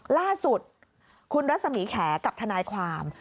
ล่าสุดคุณรัฐสมีแขนี่กับคุณทานายความ